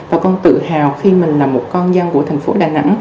và con tự hào khi mình là một con dân của tp đà nẵng